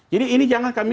jadi ini jangan kami